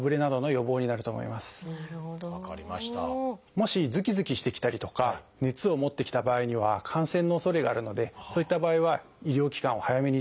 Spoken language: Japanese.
もしズキズキしてきたりとか熱を持ってきた場合には感染のおそれがあるのでそういった場合は医療機関を早めに受診してください。